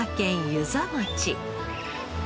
遊佐町。